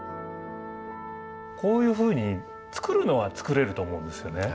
こういうふうに作るのは作れると思うんですよね。